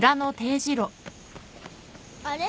あれ？